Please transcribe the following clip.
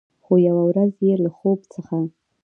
خو، یوه ورځ چې له خوب څخه